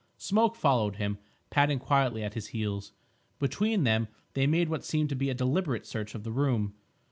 Smoke followed him, padding quietly at his heels. Between them they made what seemed to be a deliberate search of the room.